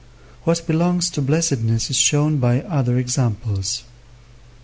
What belongs to blessedness is shown by other examples.